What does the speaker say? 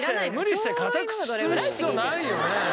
無理して硬くする必要ないよね。